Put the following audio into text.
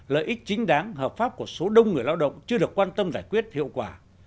lợi ích chính đáng hợp pháp của số đông người lao động chưa được quan tâm giải quyết hiệu quả